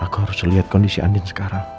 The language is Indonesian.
aku harus lihat kondisi andin sekarang